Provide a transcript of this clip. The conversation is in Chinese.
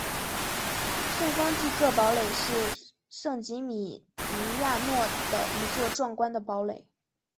圣方济各堡垒是圣吉米尼亚诺的一座壮观的堡垒。